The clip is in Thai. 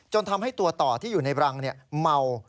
ทำให้ตัวต่อที่อยู่ในรังเมา